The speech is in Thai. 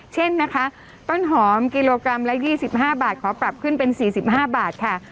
เช่นนะคะต้นหอมกิโลกรัมละ๒๕บาทขอปรับขึ้นเป็น๔๕บาทค่ะ